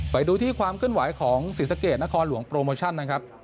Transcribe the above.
ไปดูที่ความขึ้นไหวของศิษฐกิจนครหลวงโปรโมชั่นนะครับ